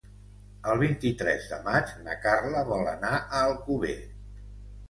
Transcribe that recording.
El vint-i-tres de maig na Carla vol anar a Alcover.